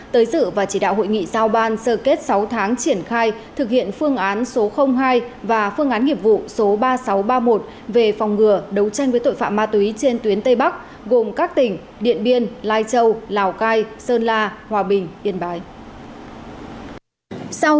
tới dự và chỉ đạo hội nghị giao ban sơ kết sáu tháng triển khai thực hiện phương án số hai và phương án nghiệp vụ số ba nghìn sáu trăm ba mươi một về phòng ngừa đấu tranh với tội phạm ma túy trên tuyến tây bắc gồm các tỉnh điện biên lai châu lào cai sơn la hòa bình yên bái